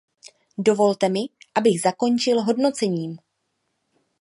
Dovolte mi, abych zakončil hodnocením.